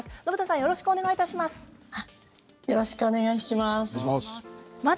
よろしくお願いします。